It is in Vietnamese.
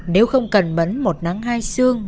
nếu không cần mẫn một nắng hai xương